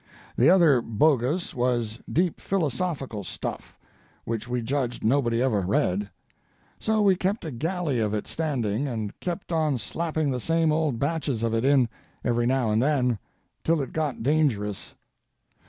The other "bogus" was deep philosophical stuff, which we judged nobody ever read; so we kept a galley of it standing, and kept on slapping the same old batches of it in, every now and then, till it got dangerous.